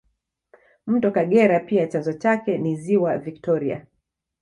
Mto Kagera pia chanzo chake ni ziwa Viktoria